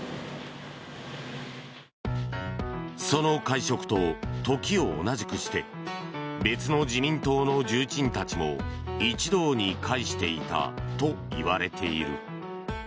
その会食と時を同じくして別の自民党の重鎮たちも一堂に会していたといわれている。